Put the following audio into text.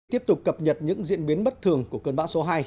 tiếp tục cập nhật những diễn biến bất thường của cơn bão số hai